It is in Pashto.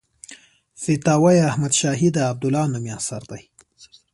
فتاوی احمدشاهي د عبدالله نومي اثر دی.